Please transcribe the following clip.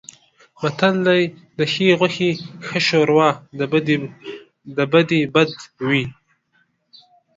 متل دی: د ښې غوښې ښه شوروا د بدې بده وي.